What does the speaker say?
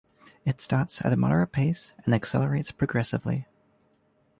It starts at a moderate pace and accelerates progressively.